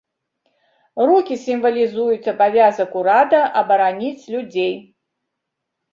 Рукі сімвалізуюць абавязак урада абараніць людзей.